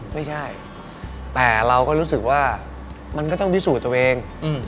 ไม่ใช่แต่เราก็รู้สึกว่ามันก็ต้องพิสูจน์ตัวเอง